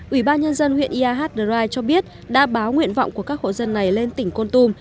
ủy ban nhân dân huyện ia hát đơ rai cho biết đã báo nguyện vọng của các hộ dân này lên tỉnh côn tùm